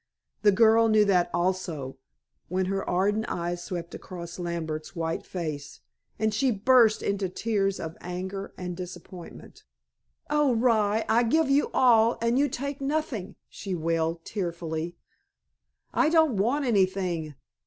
The girl knew that also, when her ardent eyes swept across Lambert's white face, and she burst into tears of anger and disappointment. "Oh, rye, I give you all, and you take nothing," she wailed tearfully. "I don't want anything.